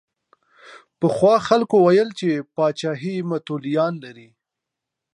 پخوا خلکو ویل چې پاچاهي متولیان لري.